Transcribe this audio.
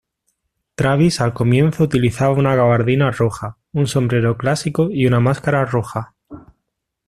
Travis al comienzo utilizaba una gabardina roja, un sombrero clásico y una máscara roja.